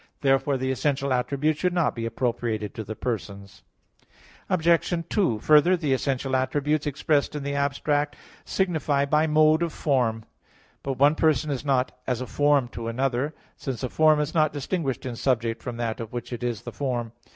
Therefore the essential attributes should not be appropriated to the persons. Obj. 2: Further, the essential attributes expressed in the abstract signify by mode of form. But one person is not as a form to another; since a form is not distinguished in subject from that of which it is the form.